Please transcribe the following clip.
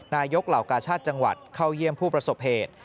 เหล่ากาชาติจังหวัดเข้าเยี่ยมผู้ประสบเหตุ